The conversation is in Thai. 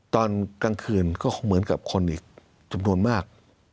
ตอนกลางคืนก็เหมือนกับคนอีกจำนวนมาก